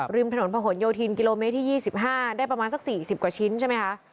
ริมถนนผนโยธินกิโลเมตรที่๒๕ได้ประมาณสัก๔๐กว่าชิ้นใช่ไหมคะ